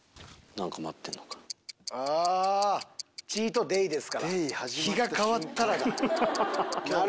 あっ「チートデイ」ですから。